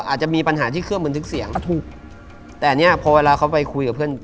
อาจจะมีปัญหาที่เครื่องบันทึกเสียงถูกแต่เนี้ยพอเวลาเขาไปคุยกับเพื่อน